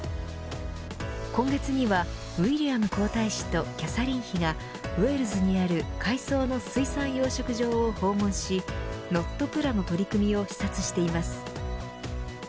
今月には、ウィリアム皇太子とキャサリン妃がウェールズにある海藻の水産養殖場を訪問しＮｏｔｐｌａの取り組みを視察しています。